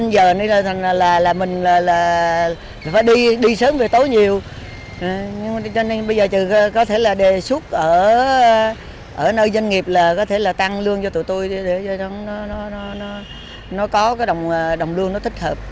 đề xuất ở nơi doanh nghiệp là có thể là tăng lương cho tụi tôi để cho nó có cái đồng lương nó thích hợp